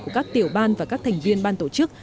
của các tiểu ban và các thành viên ban tổ chức